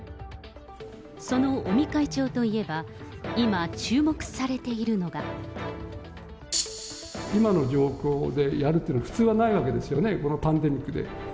その尾身会長といえば、今、注目今の状況でやるっていうのは、普通はないわけですよね、このパンデミックで。